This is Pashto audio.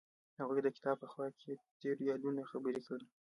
هغوی د کتاب په خوا کې تیرو یادونو خبرې کړې.